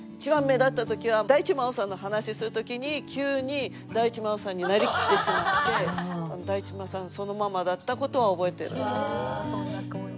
大地真央さんの話する時に急に大地真央さんになりきってしまって大地真央さんそのままだった事は覚えてる。